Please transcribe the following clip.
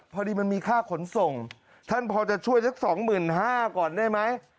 พอดีมันมีค่าขนส่งท่านพอจะช่วยสัก๒๕๐๐ก่อนได้ไหม